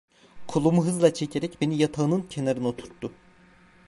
Kolumu hızla çekerek beni yatağının kenarına oturttu.